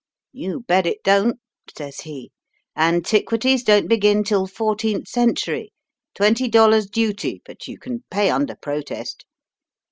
* You bet it don't,' says he. ^ Antiquities don't begin till fourteenth century. Twenty dollars duty, but you can pay under protest.'